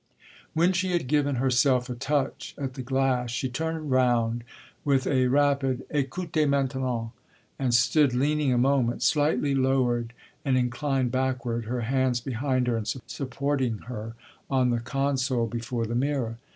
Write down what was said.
When she had given herself a touch at the glass she turned round, with a rapid "Ecoutez maintenant!" and stood leaning a moment slightly lowered and inclined backward, her hands behind her and supporting her on the console before the mirror.